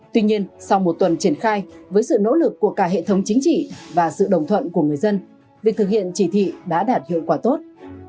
tuy nhiên sau một tuần triển khai với sự nỗ lực của cả hệ thống chính trị và sự đồng thuận của người dân việc thực hiện chỉ thị đã đạt hiệu quả tốt